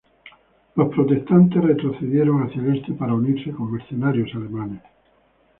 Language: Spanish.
Los protestantes retrocedieron hacia el este para unirse con mercenarios alemanes.